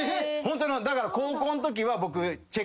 だから高校のときは僕。